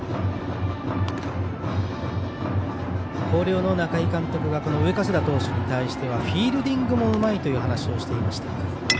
広陵の中井監督が上加世田投手に対してはフィールディングもうまいという話をしていました。